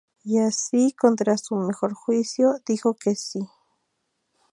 Y así, contra su mejor juicio, dijo que sí.